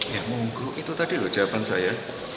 ya monggo itu tadi loh jawaban saya